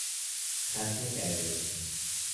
ختنه کرده